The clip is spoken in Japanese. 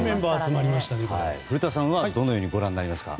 古田さんはどのようにご覧になりますか？